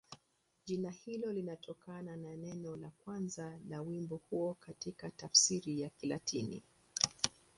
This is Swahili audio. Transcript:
Jina hilo linatokana na neno la kwanza la wimbo huo katika tafsiri ya Kilatini.